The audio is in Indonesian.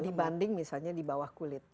dibanding misalnya di bawah kulit